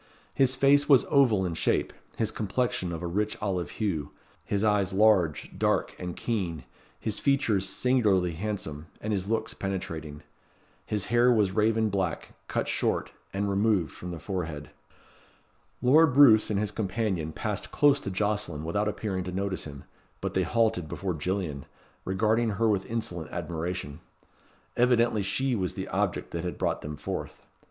His face was oval in shape, his complexion of a rich olive hue, his eyes large, dark, and keen, his features singularly handsome, and his looks penetrating. His hair was raven black, cut short, and removed from the forehead. Lord Roos and his companion passed close to Jocelyn without appearing to notice him; but they halted before Gillian, regarding her with insolent admiration. Evidently she was the object that had brought them forth.